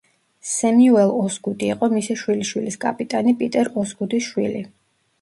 სემიუელ ოსგუდი იყო მისი შვილიშვილის კაპიტანი პიტერ ოსგუდის შვილი.